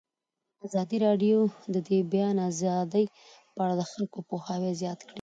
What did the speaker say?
ازادي راډیو د د بیان آزادي په اړه د خلکو پوهاوی زیات کړی.